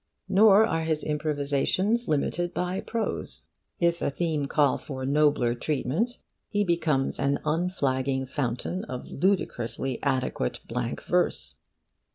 Nor are his improvisations limited by prose. If a theme call for nobler treatment, he becomes an unflagging fountain of ludicrously adequate blank verse.